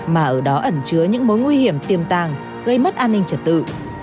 mà ở đó ẩn chứa những mối nguy hiểm tiềm tàng gây mất an ninh trật tự